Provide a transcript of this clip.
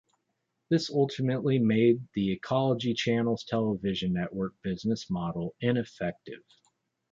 This ultimately made The Ecology Channel's television network business model ineffective.